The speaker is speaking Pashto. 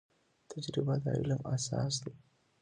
تجربه د علم اساس دی